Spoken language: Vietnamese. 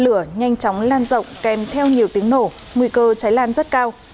lửa nhanh chóng lan rộng kèm theo nhiều tiếng nổ nguy cơ cháy lan rất cao